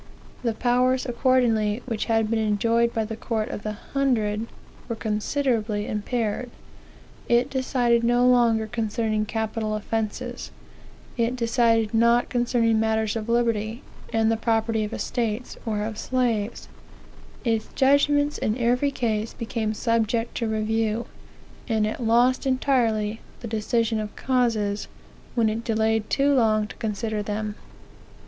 "The powers, accordingly, which had been enjoyed by the court of the hundred, were considerably impaired. It decided no longer concerning capital offences; it decided not concerning matters of liberty, and the property of estates, or of slaves; its judgments, in every case, became subject to review; and it lost entirely the decision of causes, when it delayed too long to consider them.